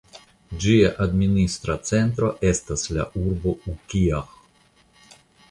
Ĝia administra centro estas la urbo Ukiah.